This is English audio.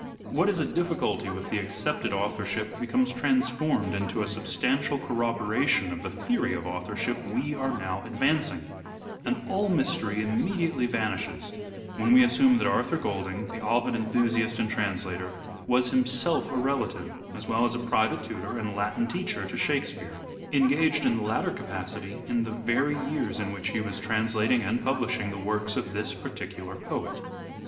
What is a difficulty with the accepted authorship becomes transformed into a substantial corroboration of the theory of authorship we are now advancing ; and all mystery immediately vanishes when we assume that Arthur Golding, the Ovid enthusiast and translator, was himself a relative as well as a private tutor and Latin teacher to " Shake speare," engaged in the latter capacity in the very years in which he was translating and publishing the works of this particular poet.